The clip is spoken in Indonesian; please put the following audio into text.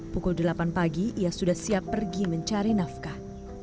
pukul delapan pagi ia sudah siap pergi mencari nafkah